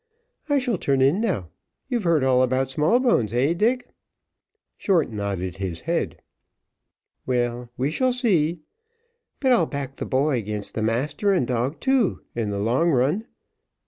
"I shall turn in now. You've heard all about Smallbones, heh! Dick?" Short nodded his head. "Well, we shall see: but I'll back the boy 'gainst master and dog too, in the long run.